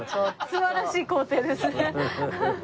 素晴らしい行程ですね。